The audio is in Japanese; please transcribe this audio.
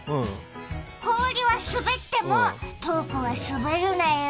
氷は滑ってもトークはスベるなよ。